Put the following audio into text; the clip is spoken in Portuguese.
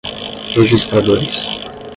registradores